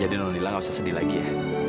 jadi nonila gak usah sedih lagi ya